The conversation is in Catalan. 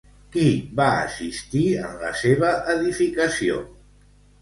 Qui va assistir en la seva edificació?